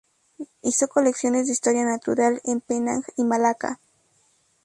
Hizo colecciones de historia natural en Penang y Malaca.